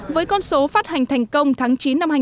với con số phát hành thành công tháng chín năm hai nghìn hai mươi